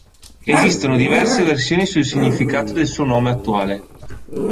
Esistono diverse versioni sul significato del suo nome attuale.